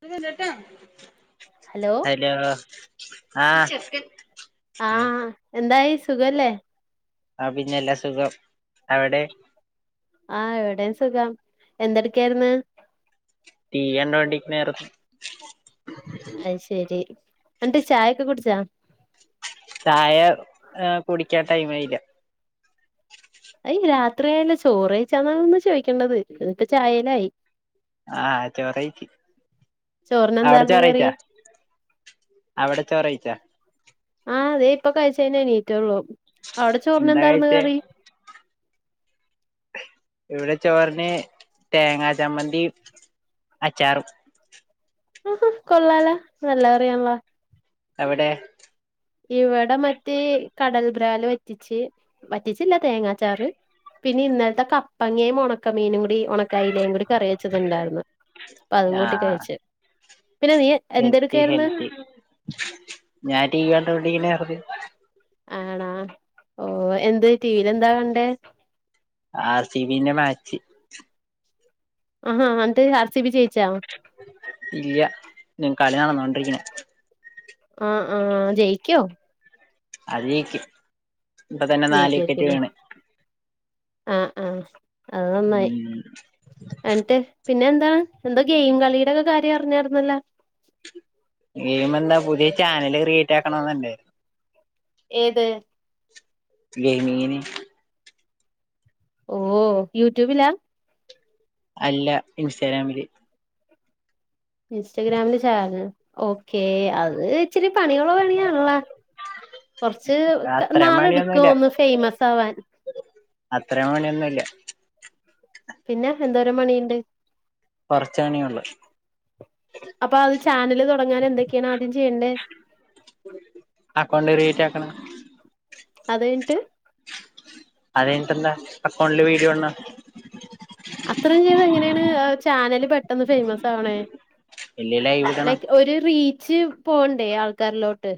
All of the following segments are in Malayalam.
പ്പ വരാട്ടോ ഹലോ ആഹ് ആഹ് എന്തായി സുഖല്ലേ ആ പിന്നെല്ലാ സുഖം അവിടെ? ആഹ് ഇവിടെയും സുഖം എന്തടക്കായിരുന്ന്? തീയുണ്ട് വണ്ടിക്ക് നേർ അത് ശരി. എന്നിട്ട് ചായയൊക്കെ കുടിച്ചാ? ചായ കുടിക്കാ ടൈമായി ല്ല അയ് രാത്രിയായല്ലോ ചോറ് കയിച്ചാന്ന് ആണ് ചോദിക്കേണ്ടത് എന്നിട്ട് ചായേലായി. ആഹ് ചോറ് കഴിച്ചു ചോറിന് അവിടെ എന്താർന്ന് ചോറ് കറി കഴിച്ചോ അവിടെ ചോറ് കഴിച്ചോ? ആഹ് അതെ ഇപ്പ കഴിച്ചു കഴിഞ്ഞു എണീറ്റുള്ളൂ. അവിടെ ചോറിന് എന്താ എന്താര്ന്ന് കഴിച്ചേ കറി. ഇവിടെ ചോറിന് തേങ്ങാ ചമ്മന്തി അച്ചാറും ഹ ഹ കൊള്ളാലോ നല്ല കറിയാണല്ലോ. എവിടെ ഇവിടെ മറ്റേ കടൽ ബ്രാല് വറ്റിച്ച് വറ്റിച്ചില്ല തേങ്ങാച്ചാറ് പിന്നെ ഇന്നൽത്തെ കപ്പങ്ങയും ഒണക്കമീനും കൂടി ഉണ തൈലേ കൂടി കറി വച്ചത്ണ്ടായിര്ന്നു അപ്പോ അതും കൂട്ടി ആഹ് കഴിച്ച്. പിന്നെ നീ ഹെൽത്തി എന്തെടുക്കായിരുന്നു ഹെൽത്തി ഞാൻ ടിവി കണ്ടോണ്ട് [unintelligible] ആണാ ഓ എന്ത് ടിവിൽ എന്താ കണ്ടേ? ആർ സി ബി ന്റെ മാച്ച്. ആഹ്‌ അന്ത്‌ ആർ സി ബി ജെയ് ഇല്ല ഞൻ കളി നടന്നൊണ്ട് ജയിക്കണം. ആഹ്‌ ആഹ്‌ ജയിക്കോ? അത് ജയിക്കും. ഇപ്പോ തന്നെ നാല് വിക്കറ്റ് ജയിക്കായിരിക്കുംല്ലേ വീണ്. ആഹ് ആഹ്‌. അത് നന്നായി ഉം എനിട്ട് പിന്നെ ന്താ. എന്താ എന്താ ഗെയിം കളിയുടെക്കെ കാര്യം അറിഞ്ഞായിരുന്നല്ലോ. ഗയ്മെന്ന പുതേ ചാനൽ [unintelligible] ട്ട്ണത് ണ്ട് ഏത് ഗനീനി ഓഹ് യൂട്യൂബിലാ അല്ല ഇൻസ്റ്റാഗ്രാമില് ഇൻസ്റ്റാഗ്രാമിൽ ചാനൽ ഒക്കെ അത് ച്ചിരി പണികളൊ പണിയാണല്ലോ കൊർച് ക അത്രയും പണിയൊന്നുല്ല നാള്ട്ക്കും ന്ന് ഫേമസാവാൻ അത്രയും പണിയൊന്നുല്ല പിന്നെ എന്തോരം പണിയ്ണ്ട് കൊറച്ച് പണിയൊള്ളു അപ്പൊ അഹ് ചാനല് തൊടങ്ങാനെന്തൊക്കെയാണ് ആദ്യം ചെയ്യെണ്ടെ അക്കൗണ്ട് ക്രിയേറ്റ് ആക്കണം അത് കൈഞ്ഞിട്ട് അതൈഞ്ഞിട്ടെന്താ അക്കൗണ്ടിൽ വീഡിയോ വന്ന് അത്രേം ചെയ്ത എങ്ങനേണ് ചാനല് പെട്ടെന്ന് ഫേമസ് ആവ്ണെ ഇല്ലേ ലൈവ് ഇടണം ലൈക്‌ ഒരു റീ ജ്ജ് പോവ്ണ്ടേ ആൾക്കാരിലോട്ട്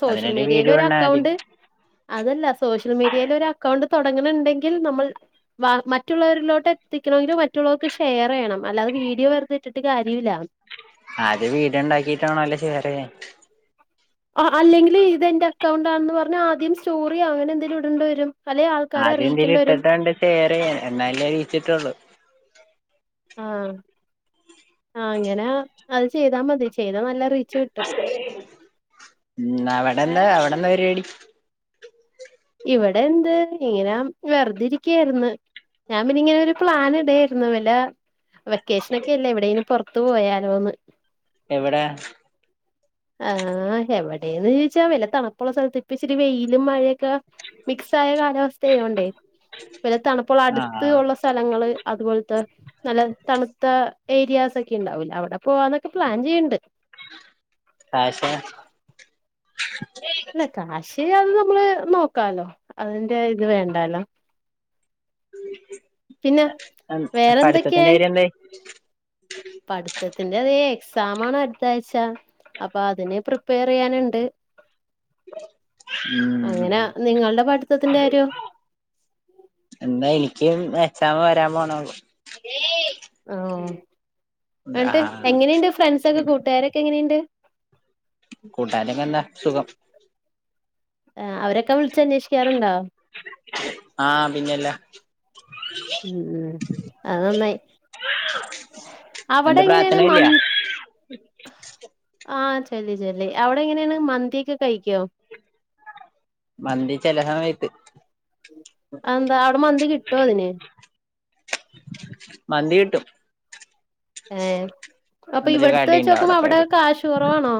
സോഷ്യൽ അതിനൊരു വീഡിയോ ഇടണം ആദ്യം മീഡിയയിലൊരെക്കൗണ്ട് അതല്ല സോഷ്യൽ മീഡിയൽ ഒരെക്കൗണ്ട് തൊടങ്ങ്ണ് ണ്ടെങ്കിൽ നമ്മൾ വ മറ്റുള്ളവരിലേക്ക് എത്തിക്കണെങ്കിൽ മറ്റുള്ളവർക് ഷെയറെയ്യണം അല്ലാതെ വീഡിയോ വെറുതെ ട്ടിട്ട് കാര്യല്ല ആദ്യം വീഡിയോണ്ടാക്കീട്ടാണല്ലോ ഷെയറെയ്യാ അ അല്ലെങ്കിലും ഇതെന്റെ അക്കൗണ്ട ണെന്ന് പർഞ് ആദ്യം സ്റ്റോറി അങ്ങനെ ന്തേലും ഇടണ്ടി വരും അല്ലെ ആൾക്കാരെ ആദ്യന്തേലും അറിയിക്കേണ്ടി ഇട്ട് വരും ട്ടാണ്ട് ഷെയറെയ്യാ എന്നാലേ റീച്ച്ട്ടൊള്ളു ആഹ് അങ്ങനെ അഹ് ചെയ്താ മതി ചെയ് ത നല്ല റീച്ച് കിട്ടും ന്നതാ അവ്ടെന്താ പരിവാടി ഇവ്ടെന്ത്‌ ഇങ്ങനെ വേർതെരിക്കാർന്നു ഞാ പിന്നെങ്ങനൊര് പ്ലാന് ടേർന്നു വല്ല വെക്കേഷനൊക്കെല്ലെ എവിടേലും പൊർത്ത് പോയാലോന്ന് എവ്ടെ ഏഹ് എവ്ടെ ന്ന്ചോയ്ച്ച വല്ല തണുപ്പുള്ള സ്ഥലത്ത് പ്പോ ഇച്ചിരി വെയിലും മഴൊക്കെ മിക്സ് ആയ കാലാവസ്ഥായോണ്ടേ [unintelligible] തണുപ്പുള്ള അട്ത്ത് ആഹ് ഉള്ള സ്ഥലങ്ങള് അതുപോൽത്ത നല്ല തണുത്ത ഏരിയാസൊക്കെ ഇണ്ടാവൂലെ അവ്ടെ പോവാന്നൊക്കെ പ്ലാൻ ചെയ്യ്ണ്ട്‌ കാശ ഇന്ന കാശ് [unintelligible] നമ്മള് നോക്കാലോ അതിന്റെ ത് വേണ്ടാലോ പിന്നെ പഠ്തത്തിന്റെ വേറെന്തൊക്കെയായി കാര്യന്തായി പഠിത്തത്തിന്റെ അതേ എക്സാമാണ് അട്ത്താഴ്ച്ച അപ്പൊ അതിന് പ്രിപ്പേറെയ്യാന്ണ്ട് ഉം അങ്ങനാ നിങ്ങള്ടെ പഠിത്തത്തിന്റെ കാര്യോ വെ എക്സാമ് വരാ പോണോള്ളു ആണോ എന്ട്ട് ആഹ് എങ്ങനെയ്ണ്ട് ഫ്രണ്ട്സൊക്കെ കൂട്ടാരൊക്കെ എങ്ങനെയ്ണ്ട് കൂട്ടാരൊക്കന്നാ സുഖം ആഹ് അവരൊക്കെ വിളിച്ച് അന്വേഷിക്കാറ്ണ്ടോ ആഹ് പിന്നെല്ല ഉം അത് നന്നായി അവിടെ എന്ത് എങ്ങനേണ് പ്രാർത്ഥന ഇല്ല മന് ആ ചെല്ലി ചെല്ലി അവിടെ എങ്ങനേണ് മന്തിയൊക്കെ കഴിക്കോ മന്തി ചെലെ സമയ ത്ത് അഹ് എന്താ മന്തി കിട്ടോ അതിന് മന്തി കിട്ടും ഏ അപ്പൊ എന്തൊരു ഇവിടുത്തെ കടയുണ്ട് വെച്ചോക്കുമ്പോ പോയ അവിടെ കിട്ടും കാശ് കുറവാണോ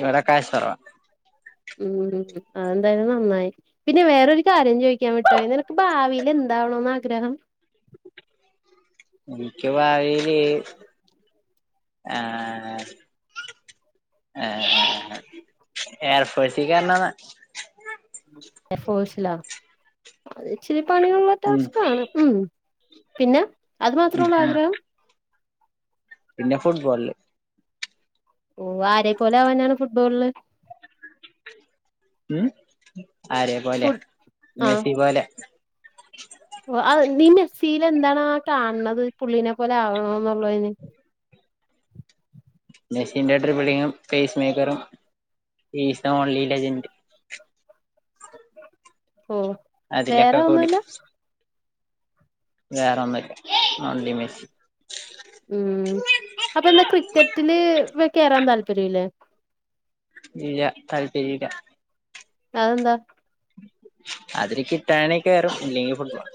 ഇവിടെ കാശ് കുറവാ ഉം അതെന്തായാലും നന്നായി പിന്നെ വേറൊരു കാര്യം ചോദിക്കാൻ വിട്ടോയി നിനക്ക് ഭാവിൽ എന്താവണോന്ന് ആഗ്രഹം എനിക്ക് ഭാവിൽ ആ ആ എയർഫോഴ്സി കാരണന്നാ എഫോസ് അത് ഇച്ചിരി പണിയുള്ള ഉം ടാസ്ക്കാണ് ഉം പിന്നെ അത് മാത്രേ ഉം ഉള്ളൂ ഉം ആഗ്രഹം പിന്നെ ഫുട്ബോളിൽ ഓ ആരെ പോലെ അവാനാണ് ഫുട്ബോളിൽ ഉം ആരെയ ഫു പോലെ മെസി പോലെ ഒന്നും ഇല്ല നീ മെസിൽ എന്താണ് ആ കാൺനത് പുള്ളീനെ പോലെ ആവണ ള്ളോൻ മെസിന്റെ ട്രിപ്പിളിങ്ങും ഫേസ് മേക്കറും പീസ്സ് ഓൺലി ലജന്റ് ഒന്നും കേൾക്കുന്നില്ല അതിലൊക്കെ കൂടി വേറെ ഒന്നുല്ല ഒൺലി മെസി ഉം അപ്പൊ എന്താ ക്രിക്കറ്റില് വേം കേറാൻ താല്പര്യല്ലേ ഇല്ല താല്പര്യല്ല അതെന്താ? അതിൽ കിട്ടാണേ കയറും ഇല്ലെങ്കിൽ ഫുട്ബോൾ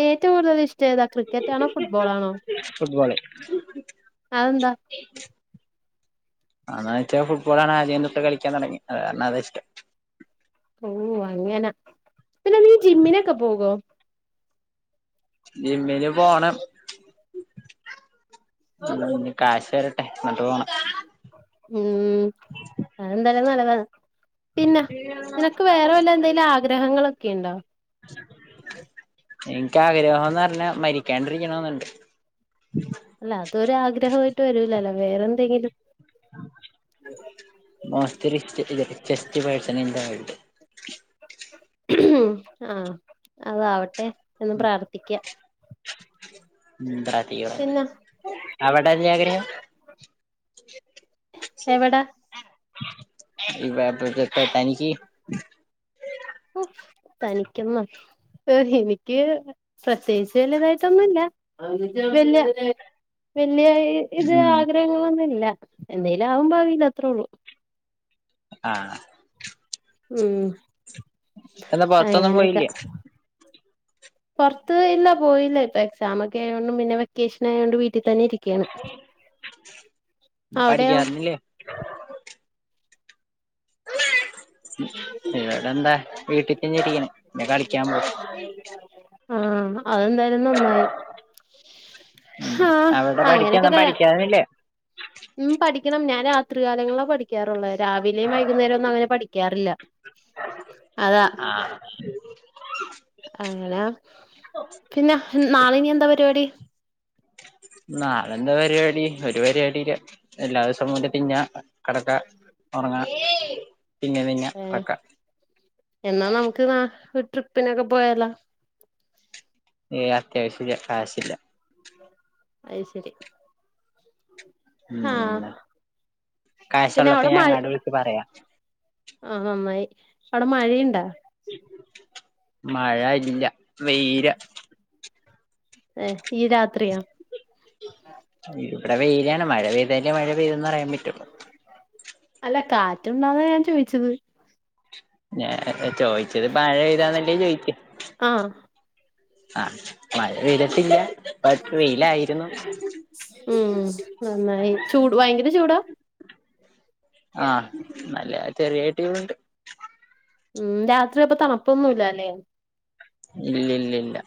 ഏറ്റവും കൂടുതൽ ഇഷ്ടം ഏതാണ് ക്രിക്കറ്റ് ആണോ ഫുട്ബോൾ ആണോ ഉ അതെന്താ? അതായത് ഫുട്ബോളാണ് ആദ്യം തൊട്ട് കളിക്കാൻ തുടങ്ങി അത് കാരണം അത് ഇഷ്ടം ഓ അങ്ങനെ പിന്നെ നീ ജിമ്മിനൊക്കെ പോകുവോ? ജിമ്മില് പോണം കാഷ് ഉം അതെന്താലും നല്ലതാണ്. ഒന്നും കേൾക്കുന്നില്ല പിന്നെ നിനക്ക് വേറെ വല്ല എന്തെങ്കിലും ആഗ്രഹങ്ങളൊക്കെയുണ്ടോ? എൻ്റെ ആഗ്രഹമെന്ന് പറഞ്ഞാൽ മരിക്കാണ്ടിരിക്കണമെന്നുണ്ട്. അല്ല അതൊരാഗ്രഹമായിട്ട് വരൂല്ലല്ലോ വേറെന്തെങ്കിലും ബസ് ഇ ഇ ചസ് പഴസനൽ ആഹ് അതാവട്ടെ എന്ന് പ്രാർത്ഥിക്കാം [unintelligible] അയ്യോടാ പിന്നെ അവട് തനിയാഗ്രഹാ എവടാ ഇവാ പ്രജ [unintelligible] തനിക്ക് ഓ തനിക്കൊന്ന് എനിക്ക് പ്രത്യേകിച്ച് വലുതായിട്ടൊന്നുല്ല. വല്യ വ വല്ല്യായി ഇത് ഉം ആഗ്രഹങ്ങളൊന്നില്ല എന്തേലും ആവും ഭാവീല് അത്രേ ഉള്ളൂ ആഹ് ഉം എന്നാ പുറത്തൊന്നും പോയില്ലെ പുറത്ത് ഇല്ല പോയില്ല ഇപ്പൊ എക്സാമൊക്കെ ആയകൊണ്ടും പിന്നെ വെക്കേഷനായകൊണ്ട് വീ ട്ടിതന്നെ ഇരിക്കയാണ്. അവിടെയോ? പഠിക്കാറില്ലേ വേറെന്താ വീട്ടി തന്നെ ഇരിക്കണു [inaudible] ആഹ അതെന്തായാലും നന്നായി ആഹ് അവിടെ പഠിക്കാന്ന അങ്ങനെയൊക്കെ പഠിക്കാനില്ലേ രാത്രി കാലങ്ങളാ പഠിക്കാറുള്ളേ രാവിലേം വൈകുന്നേരൊന്നും അങ്ങനെ പഠിക്കാറില്ല അതാ ആഹ് അങ്ങനാ പിന്നെ നാളെയിനി എന്താ പരിപാടി നാളെയെന്താ പരിപാടി ഒരു പരിപാടീല്ല എല്ലാ ദിവസോം പോലെ തിന്നാ കിടക്കാ ഉറങ്ങാ തിന്ന തിന്ന ഏ കിടക്ക എന്നാ നമുക്ക് നാ ഹു ട്രിപ്പിനൊക്കെ പോയാലാ? ഏ അത്യാവശ്യ കാശില്ല. അത് ശരി ഉം ആഹ് കാശ് പിന്നെ ഒള്ളപ്പ അവിടെ ഞാൻ മഴ അങ്ങാട് വിളിച്ച് പറയാ. ആഹ് നന്നായി അവിടെ മഴയുണ്ടാ? മഴയില്ലാ വെയിലാ. ഏ ഈ രാത്രിയാ ഇവിടെ വെയിലാണ് മഴ പെയ്താലേ മഴ പെയ്തെന്ന് പറയാൻ പറ്റു അല്ല കാറ്റ് ഉണ്ടോന്നാ ഞാൻ ചോദിച്ചത് ഞാ ചോ ച്ചത് മഴ പെയ്താന്നല്ലേ ചോദി ആഹ് ആഹ് മഴ പെയ്തിട്ടില്ല ബട്ട് വെയിലായിരുന്നു ഉം നന്നായി ചൂട് ഭയങ്കര ചൂടാ ആഹ് നല്ല ചെറിയായിട്ട് ചൂട്ണ്ട് ഉം രാത്രി അപ്പൊ തണുപ്പൊന്നൂല്ലാല്ലേ ഇല്ലില്ലില്ലാ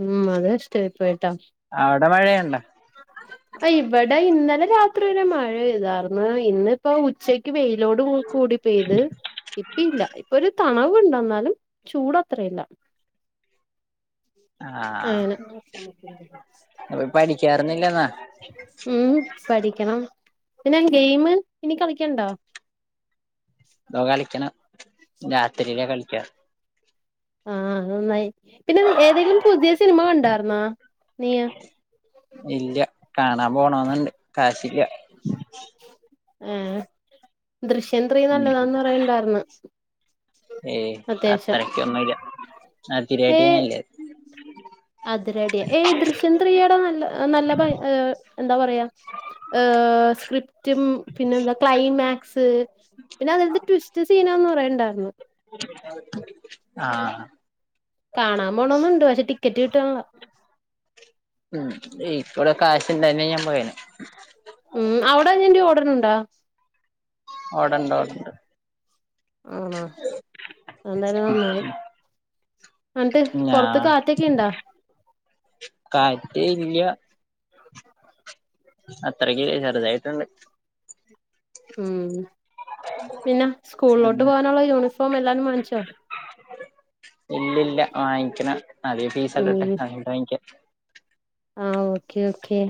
ഉം അത് കഷ്ടായിപ്പോയി അവിടെ മഴയൊണ്ടാ അഹ് ഇവിടെ ഇന്നലെ രാത്രി വരെ മഴ പെയ്താരുന്ന് ഇന്നിപ്പോ ഉച്ചക്ക് പെയ് ലോഡ് കൂടി പെയ്ത് ഇപ്പില്ലാ ഇപ്പൊരു തണവ് ചൂടിണ്ടെന്നാലും ചൂടത്രയില്ലാ ആഹ് അങ്ങനെ അപ്പൊ പഠിക്കാറൊന്നില്ലെന്നാ ഉം പഠിക്കണം പിന്നെ ഗെയിമ് ഇനി കളിക്കണ്ടോ? ഇതോ കളിക്കണം രാത്രിയിലാ കളിക്കാ ആഹ് അത് നന്നായി. പിന്നെ നീ ഏതെലും പുതിയ സിനിമ കണ്ടാ? [unintelligible] ഇല്ല കാണാൻ പോണോന്നൊണ്ട് കാശില്ല. ഏഹ് ദൃശ്യം ത്രീ ഉം നല്ലതാന്ന് പറയുന്നുണ്ടാർന്ന്. ഏയ് അത്രക്കൊന്നൂല്ല. ഏഹ് അതിരടി ഏഹ് ദൃശ്യം ത്രീയുടെ നല്ല നല്ല ഭം ഏഹ് എന്താ പറയാ ഏഹ് സ്ക്രിപ്റ്റും പിന്നെ എന്താ ക്ലൈമാക്സ് പിന്നെ അതിനാത്ത് ട്വിസ്റ്റ് സീനാന്ന് പറയ്ന്ന് ഞ്ഞാർന്ന്- ആഹ് കാണാൻ പോണോന്നുണ്ട് പക്ഷെ ടിക്കറ്റ് കിട്ട് ട്ടണില്ല ഉം ഈക്കൂടെ കാശ് ഇണ്ടായിരുന്നേ ഞാൻ പോയേനെ ഉം അവിട ഇതിന്റെ ഓടറിണ്ടാ? ഓടണ്ട് ഓടണ്ട്- ആണ എന്തായാലും നന്നായി എന്നിട്ട് പൊറത്ത് കാറ്റൊക്കെ ഇണ്ടാ കറ്റ് ഇല്ലൃ അത്രക്ക് ചെറുതായിട്ടുണ്ട് ഉം പിന്നെ സ്കൂളിലോട്ട് ഉം പോവാനുള്ള യൂണിഫോം എല്ലാരും വാങ്ങിച്ചോ- ഇല്ലി ഇല്ല വാങ്ങിക്കണ- ആദ്യം പീസടട്ടെ ഉം അത വാങ്ങിക്കാം ആഹ് ഓക്കേ ഓക്കെ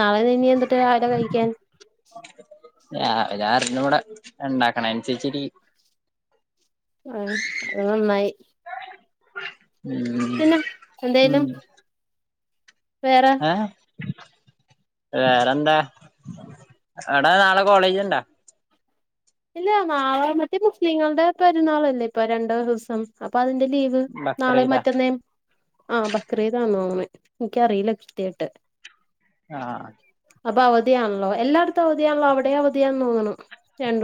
നാളെ നീ ഇനിഎന്തുട്ട് രാവില കഴിക്കാൻ- രാവിലെ അറിഞ്ഞുകൂടാ ണ്ടാക്കണം അനുസരിച്ചിരിക്കും ആഹ് അത് നന്നായി- ഉം പിന്നെ എന്തായാലും ഏ വേറെന്താ അവിടാ നാളെ കോളേജ്ണ്ടാ- ഇല്ല നാളെ മറ്റേ മുസ്ലിങ്ങളുടെ പെരുന്നാളല്ലേ ഇപ്പരണ്ട ദിവസം അപ്പൊ അതിന്റെ- ലീവ് നാളെ ബക്രീദാ മറ്റന്നേ ആ ബക്രീതാന്നതോന്നെ- എനിക്കറിയില്ല കൃത്യായിട്ട് ആ അപ്പൊ അവധിയണല്ലോ എല്ലായിടത്തും അവധിയാണല്ലോ അവിടെ അവധിയാന്ന് തോന്നുണു രണ്ട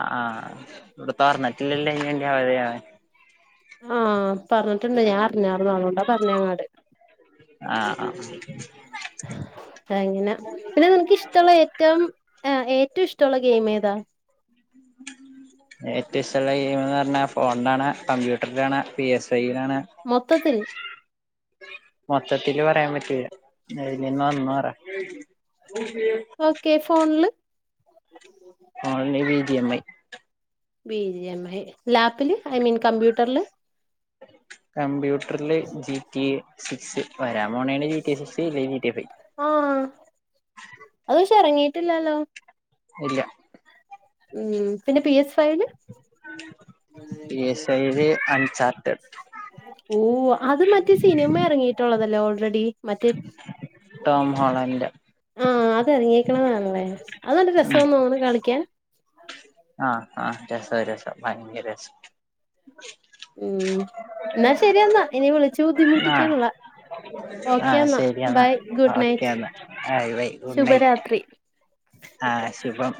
ആ ഇവിടെ തോർനിട്ട ഇല്ലില്ല [unintelligible] അത [unintelligible] ആ പറഞ്ഞിട്ടുണ്ട് ഞാൻ [unintelligible] പറഞ്ഞങ്ങാട് ആഹ് ആഹ് എങ്ങനെ പിന്നെ നിനക്ക് ഇഷ്ടൊള്ള ഏറ്റവും ഏ ഏറ്റോം ഇഷ്ടൊള്ള ഗെയിം ഏതാ ഏറ്റോം ഇഷ്ടൊള്ള ഗെയിംന്ന് പറഞ്ഞാ ഫോൺ കാണാ കമ്പ്യൂട്ടറ് കാണാ പി എസ് കാണാ മൊത്തത്തിൽ മൊത്തത്തി ല് [unintelligible] പറയാൻ പറ്റൂല്ല ഇതിൽ നിന്ന് ഒന്ന് പറ ഓക്കെ ഫോണില് ഓൺലൈൻ വീതിയമ്മമായി ബിജിഎം ഐ ലാപ്പില് ഐ മീൻ കമ്പ്യൂട്ടറില് കമ്പ്യൂട്ട റില് ജിപി എ സിക്സ് വരാ മോണ ജി ടീ സിക്സ് അല്ലെ ജി ടീ ഫൈവ് ആ അത് പക്ഷെ എറങ്ങീട്ടില്ലാല്ലോ ഇല്ല ഉം പിന്നെ പി എസ് പി എസ് ഐയില് അൺചാർട്ടഡ് [unintelligible] ഓ അതു മറ്റേ സിനിമ എറങ്ങിയിട്ടൊളളതല് ഓൾറെഡി മറ്റേ ടോം ഹോളണ്ട് ആ അതെറങ്ങിയേക്കണതാണല്ലേ അത് നല്ല ഉം രസാന്നു തോന്നണു കളിക്കാൻ ആ [inaudible] ആ ആ രസാ രസാ ഭയങ്കര രസം ഉം എന്നാ ശരിയെന്നാ ഇനി വിളിച്ചു ആഹ് ബുദ്ധിമുട്ടിക്കണില്ല ആഹ് ഓക്കെന്നാ ശരിയെന്നാ ബൈ ഗുഡ് ഓക്കെ നൈറ്റ് എന്നാ ബൈ ബൈ ഗുഡ് നൈറ്റ് ശുഭരാത്രി ആഹ് ശുഭം